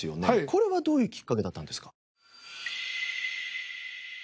これはどういうきっかけだったんですか？